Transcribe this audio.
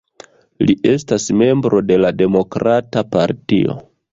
Li estas membro de la Demokrata partio.